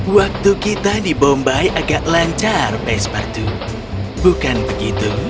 waktu kita di bombay agak lancar pespartu bukan begitu